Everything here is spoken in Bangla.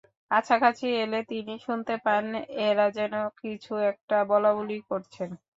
কাছাকাছি এলে তিনি শুনতে পান—এরা যেন কিছু একটা বলাবলি করছেন।